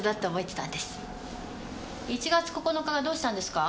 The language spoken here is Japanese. １月９日がどうしたんですか？